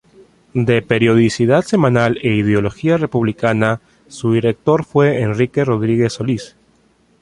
De periodicidad semanal e ideología republicana, su director fue Enrique Rodríguez-Solís.